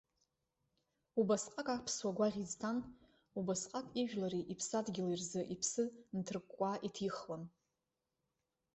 Убасҟак аԥсуа гәаӷь изҭан, убасҟак ижәлари иԥсадгьыли рзы иԥсы нҭыркәкәаа иҭихуан.